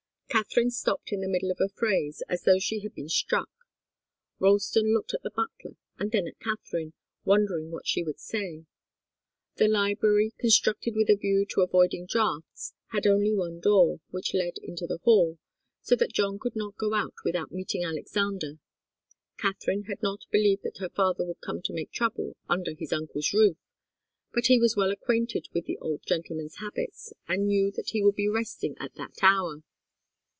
Katharine stopped in the middle of a phrase, as though she had been struck. Ralston looked at the butler and then at Katharine, wondering what she would say. The library, constructed with a view to avoiding draughts, had only one door, which led into the hall, so that John could not go out without meeting Alexander. Katharine had not believed that her father would come to make trouble under his uncle's roof, but he was well acquainted with the old gentleman's habits, and knew that he would be resting at that hour.